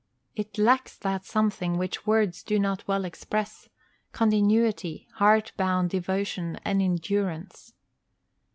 It lacks that something which words do not well express, continuity, heart bound devotion, and endurance.